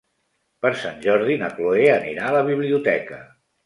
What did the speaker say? Per Sant Jordi na Chloé anirà a la biblioteca.